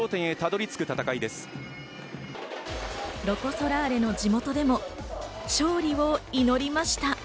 ロコ・ソラーレの地元でも勝利を祈りました。